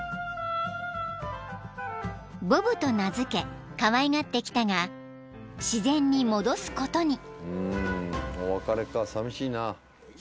［ボブと名付けかわいがってきたが自然に戻すことに］